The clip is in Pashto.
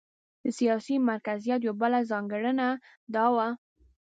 د سیاسي مرکزیت یوه بله ځانګړنه دا وه.